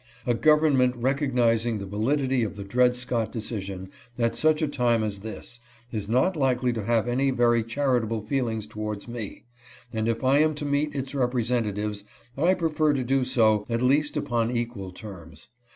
A government recognizing the validity of the Dred Scott decision at such a time as this, is not likely to have any very charitable feelings towards me, and if I am to meet its repre sentatives 1 prefer to do so at least upon equal terms.